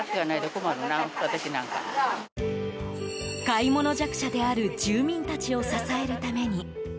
買い物弱者である住民たちを支えるために。